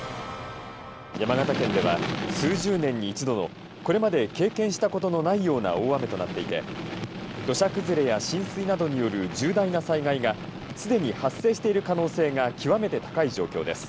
「山形県では数十年に一度のこれまで経験したことのないような大雨となっていて土砂崩れや浸水などによる重大な災害が既に発生している可能性が極めて高い状況です」。